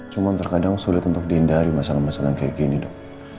cuma terkadang sulit untuk dihindari masalah masalah kayak gini dok